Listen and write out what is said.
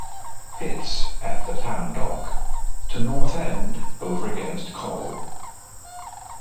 Pitts at the Town Dock to North End over against Col.